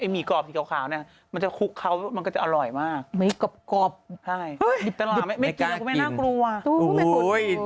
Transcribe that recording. ไม่กรอบเห้ยไม่กล้ากินอะครับไม่น่ากลัวครูแม่กรูอุ๊ย